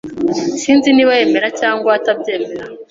Sinzi niba yemera cyangwa atabyemera